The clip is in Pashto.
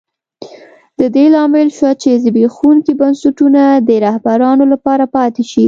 د دې لامل شوه چې زبېښونکي بنسټونه د رهبرانو لپاره پاتې شي.